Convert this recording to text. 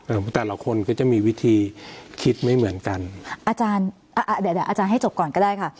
แต่ละคนก็จะมีวิธีคิดไม่เหมือนกันอาจารย์อ่าเดี๋ยวเดี๋ยวอาจารย์ให้จบก่อนก็ได้ค่ะ